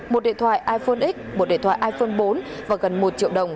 một điện thoại iphone x một điện thoại iphone bốn và gần một triệu đồng